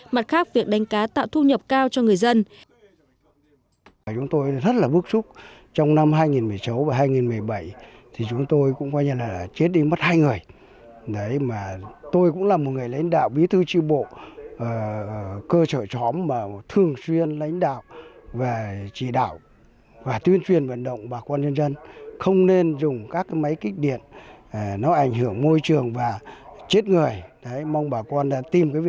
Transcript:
mặt khác việc đánh cá tạo thu nhập cao cho người dân